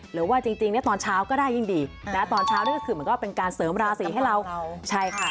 หรือว่าจริงเนี่ยตอนเช้าก็ได้ยิ่งดีนะตอนเช้านี่ก็คือเหมือนก็เป็นการเสริมราศีให้เราใช่ค่ะ